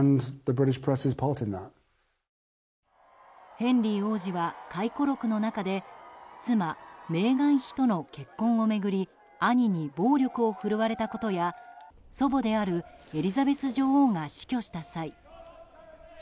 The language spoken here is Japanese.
ヘンリー王子は回顧録の中で妻メーガン妃との結婚を巡り兄に暴力を振るわれたことや祖母であるエリザベス女王が死去した際父